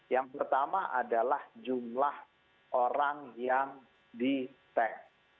yang pertama adalah jumlah orang yang di tag